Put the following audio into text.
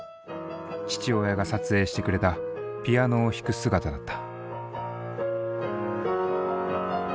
父親が撮影してくれたピアノを弾く姿だった。